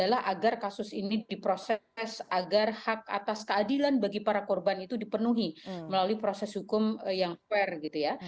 agar hak atas keadilan bagi para korban itu dipenuhi melalui proses hukum yang fair gitu ya